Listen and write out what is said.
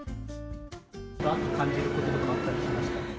秋を感じることとかあったりしました？